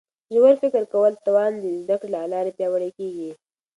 د ژور فکر کولو توان د زده کړي له لارې پیاوړی کیږي.